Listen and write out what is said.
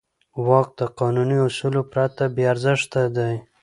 واک د قانوني اصولو پرته بېارزښته دی.